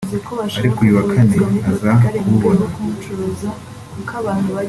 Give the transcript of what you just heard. ariko uyu wa Kane aza kububona